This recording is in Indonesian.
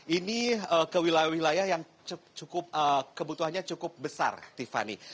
ini kewilaya wilaya yang kebutuhannya cukup besar tiffany